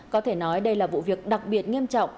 có thể nói đây là vụ việc đặc biệt nghiêm trọng